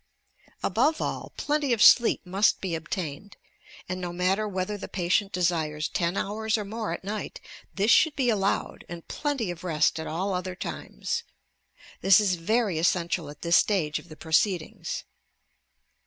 Above all, plenty of sleep must be obtained, and, no matter whether the patient desires ten hours or more at night, this should be allowed, and plenty of rest at all other times. This is very essential at this stage of the pro ceedings.